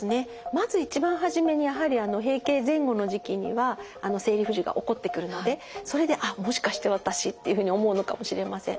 まず一番初めにやはり閉経前後の時期には生理不順が起こってくるのでそれで「もしかして私」っていうふうに思うのかもしれません。